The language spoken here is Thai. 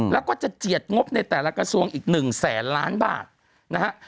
แล้วก็จะเจียดงบในแต่ละกระทรวงอีก๑แสนล้านบาทนะฮะ